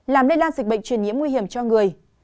làm lây lan dịch bệnh truyền nhiễm nguy hiểm cho người